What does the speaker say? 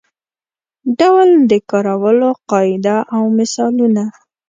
ډول د کارولو قاعده او مثالونه.